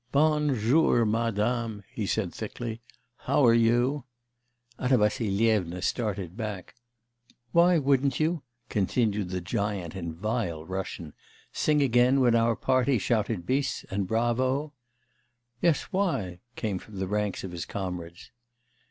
'Bonzhoor, madame,' he said thickly, 'how are you?' Anna Vassilyevna started back. 'Why wouldn't you,' continued the giant in vile Russian, 'sing again when our party shouted bis, and bravo?' 'Yes, why?' came from the ranks of his comrades.